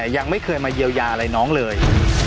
ยังไม่เคยมาเยียวยาอะไรน้องเลย